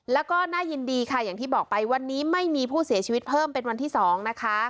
แล้วก็น่ายินดีค่ะอย่างที่บอกไปวันนี้ไม่มีผู้เสียชีวิตเพิ่มเป็นวันที่๒นะคะ